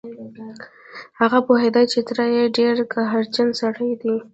هغه پوهېده چې تره يې ډېر قهرجن سړی دی.